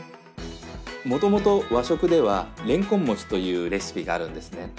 もともと和食ではれんこん餅というレシピがあるんですね。